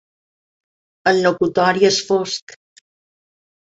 El locutori és fosc.